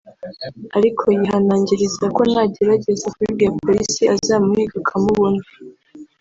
ariko yihanangirizwa ko nagerageza kubibwira polisi azamuhiga akamubona